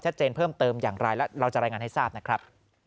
เพิ่มเติมอย่างไรแล้วเราจะรายงานให้ทราบนะครับ